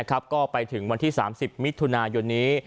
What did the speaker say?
ก็ไปถึงวันที่๓๐มิถุนายนนี้